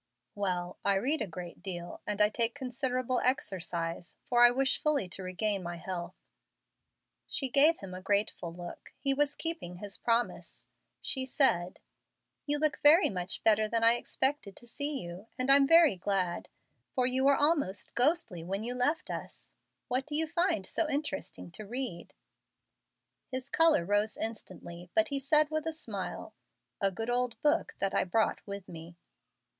"Well, I read a great deal, and I take considerable exercise, for I wish fully to regain my health." She gave him a grateful look. He was keeping his promise. She said, "You look very much better than I expected to see you, and I'm very glad, for you were almost ghostly when you left us. What do you find so interesting to read?" His color rose instantly, but he said with a smile, "A good old book that I brought with me."